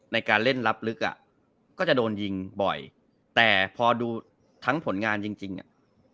ในการเล่นลับลึกอ่ะก็จะโดนยิงบ่อยแต่พอดูทั้งผลงานจริงจริงอ่ะ